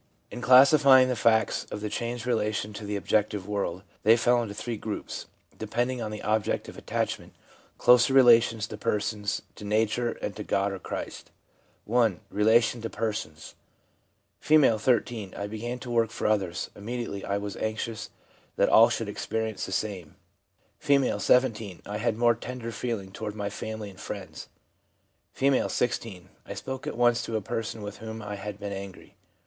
In classifying the facts of the changed relation to the objective world, they fell into three groups depending on the object of attachment, closer relations to persons, to nature, and to God or Christ. (1.) Relation to persons. — R, 13. ■ I began to work for others ; immediately I was anxious that all should experience the same.' F., 17. 1 I had more tender feeling toward my family and friends.' F., 16. 'I spoke at once to a person with whom I had been angry.